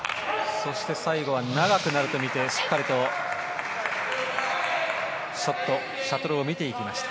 そして最後は長くなるとみてしっかりとショット、シャトルを見ていきました。